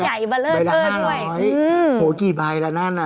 ใหญ่เบลอเท่าเลยไปละ๕๐๐โหกี่ใบละนั่นน่ะ